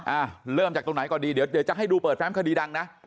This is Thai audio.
อ่าเริ่มจากตรงไหนก่อนดีเดี๋ยวจะให้ดูเปิดแฟมคดีดังนะ